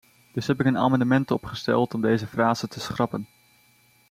Dus heb ik een amendement opgesteld om deze frase te schrappen.